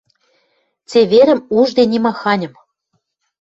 Цеверӹм ужде нимаханьым